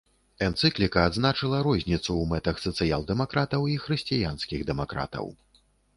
Энцыкліка адзначыла розніцу ў мэтах сацыял-дэмакратаў і хрысціянскіх дэмакратаў.